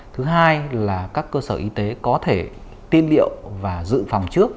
thứ hai là các cơ sở y tế có thể tiên liệu và dự phòng trước